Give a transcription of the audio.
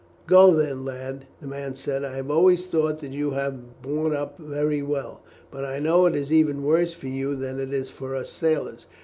"Go then, lad," the man said. "I have always thought that you have borne up very well; but I know it is even worse for you than it is for us sailors.